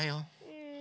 うん。